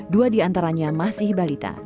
dua di antaranya masih balita